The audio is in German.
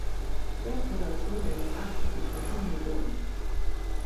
Berg wurde als Sohn eines Arztes in Stettin geboren.